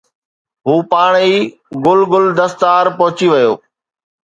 هو پاڻ ئي گل گل دستار پهچي ويو آهي